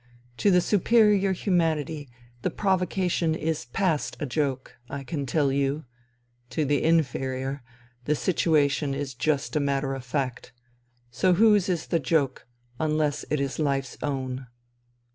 To the superior humanity the provocation is past a joke, I can tell you ; to the inferior, the situation is just a matter of fact ; so whose is the joke unless it is life's own